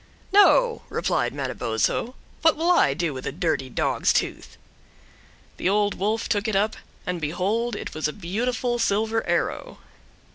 "No," replied Manabozho, "what will I do with a dirty dog's tooth?" The Old Wolf took it up, and behold it was a beautiful silver arrow.